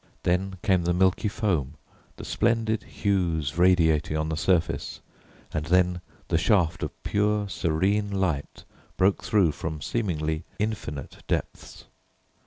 Then came the milky foam, the splendid hues radiating on the surface and then the shaft of pure serene light broke through from seemingly infinite depths.